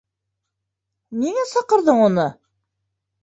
Ниңә саҡырҙың уны?!